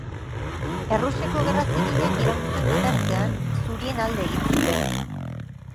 Errusiako Gerra Zibilak iraun zuen bitartean, zurien alde egin zuten.